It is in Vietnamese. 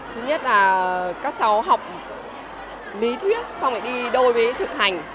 thứ nhất là các cháu học lý thuyết xong lại đi đôi với thực hành